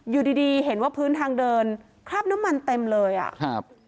อยู่ดีดีเห็นว่าพื้นทางเดินคราบน้ำมันเต็มเลยอ่ะครับ